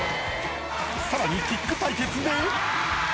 ［さらにキック対決で］